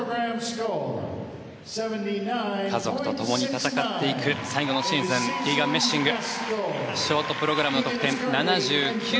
家族と共に戦っていく最後のシーズンキーガン・メッシングショートプログラムの得点７９．６９。